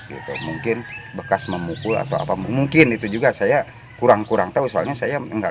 gitu mungkin bekas memukul atau apa mungkin itu juga saya kurang kurang tahu soalnya saya enggak